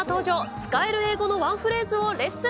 使える英語のワンフレーズをレッスン。